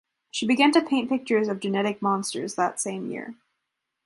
She began to paint pictures of genetic monsters that same year.